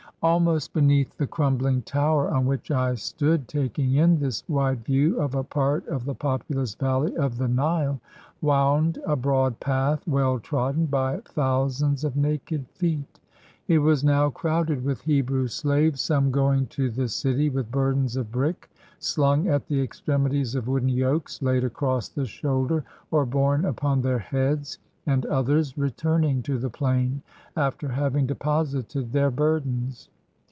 Almost beneath the crumbling tower on which I stood taking in this wide view of a part of the populous valley of the Nile, wound a broad path, well trodden by thou sands of naked feet. It was now crowded with Hebrew slaves, some going to the city with burdens of brick slung at the extremities of wooden yokes laid across the shoulder, or borne upon their heads, and others return ing to the plain after having deposited their burdens.